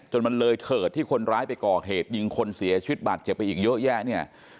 จนมันเลยเถิดที่คนร้ายไปก่อเหตุยิงคนเสียชีวิตบาดเจ็บไปอีกเยอะแยะเนี่ย